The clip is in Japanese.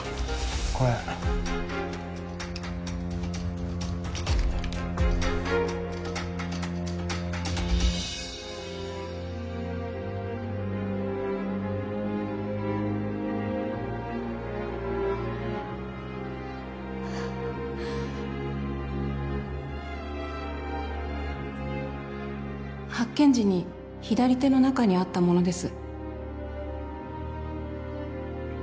これ発見時に左手の中にあったものです